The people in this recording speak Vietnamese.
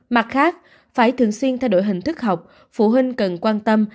mặt khác phải thường xuyên thay đổi hình thức học phụ huynh cần quan tâm